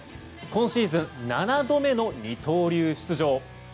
今シーズン７度目の二刀流出場。